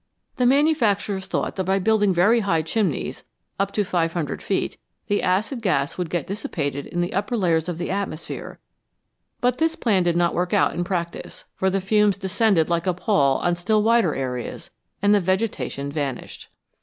The manufacturers thought that by building very high chimneys, up to 500 feet, the acid gas would get dis sipated in the upper layers of the atmosphere, but this plan did not work out in practice, for the fumes descended like a pall on still wider areas, and the vegetation vanished.